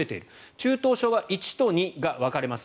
中等症は１と２があります。